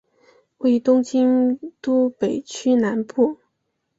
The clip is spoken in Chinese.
位于东京都北区南部。